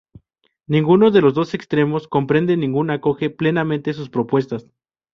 Ninguno de los dos extremos comprende ni acoge plenamente sus propuestas.